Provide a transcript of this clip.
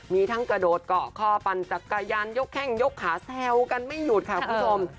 มีทั้งกระโดดเกาะคอปั่นจักรยานยกแข้งยกขาแซวกันไม่หยุดค่ะคุณผู้ชม